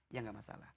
ya gak masalah